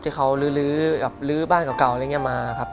ที่เขาลื้อบ้านเก่าอะไรอย่างนี้มาครับ